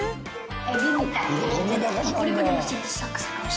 エビみたいな味。